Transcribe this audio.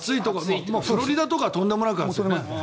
フロリダとかはとんでもなく暑いよね。